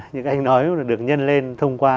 như anh nói được nhân lên thông qua